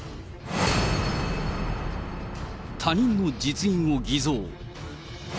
他人の実印を偽造。